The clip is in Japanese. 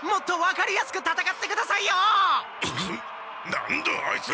何だあいつ！